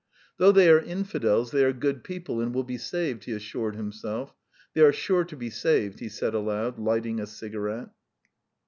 "Though they are infidels they are good people, and will be saved," he assured himself. "They are sure to be saved," he said aloud, lighting a cigarette.